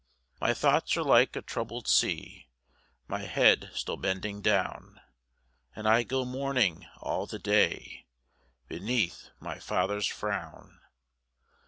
4 My thoughts are like a troubled sea, My head still bending down; And I go mourning all the day Beneath my Father's frown.